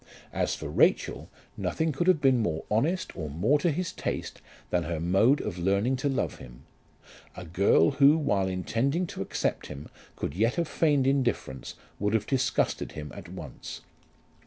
As for Rachel, nothing could have been more honest or more to his taste, than her mode of learning to love him. A girl who, while intending to accept him, could yet have feigned indifference, would have disgusted him at once.